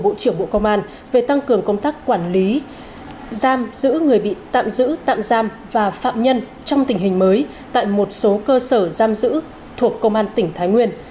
bộ trưởng bộ công an về tăng cường công tác quản lý giam giữ người bị tạm giữ tạm giam và phạm nhân trong tình hình mới tại một số cơ sở giam giữ thuộc công an tỉnh thái nguyên